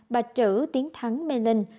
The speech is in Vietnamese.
bạch trữ tiến thắng mê linh